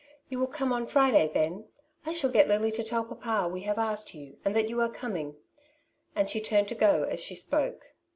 You will come on Friday, then ? I shall get Lily to tell papa we have asked you, and that you are coming,'' and she turned to go as she spoke.